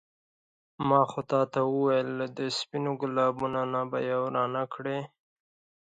ما تا ته وویل له دې سپينو ګلابو نه به یو رانه کړې.